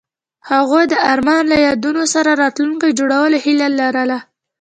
هغوی د آرمان له یادونو سره راتلونکی جوړولو هیله لرله.